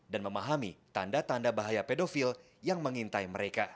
dan memahami tanda tanda bahaya pedofil yang mengintai mereka